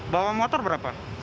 bawa motor berapa